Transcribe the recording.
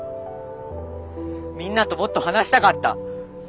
みんなともっと話したかった。